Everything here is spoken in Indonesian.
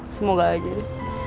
semoga aja ya